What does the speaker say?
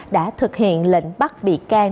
đã thực hiện lệnh bắt bị can